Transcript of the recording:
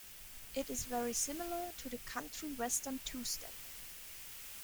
It is very similar to the country western two-step.